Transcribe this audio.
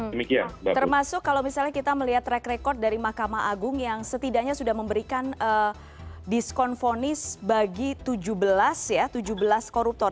termasuk kalau misalnya kita melihat track record dari mahkamah agung yang setidaknya sudah memberikan diskon fonis bagi tujuh belas koruptor